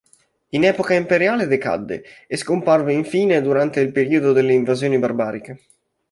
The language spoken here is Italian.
In epoca imperiale decadde e scomparve infine durante il periodo delle invasioni barbariche.